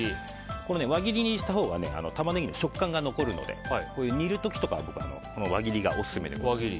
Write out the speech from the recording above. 輪切りにしたほうがタマネギの食感が残るので煮る時とかは輪切りがオススメです。